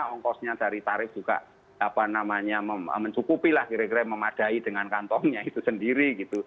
ongkosnya dari tarif juga mencukupilah kira kira memadai dengan kantongnya itu sendiri